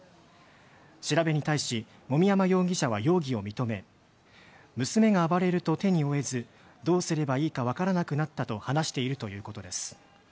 調べに対し籾山容疑者は容疑を認め、娘が暴れると手に負えず、どうすればいいかわからなくなったと話しているということです。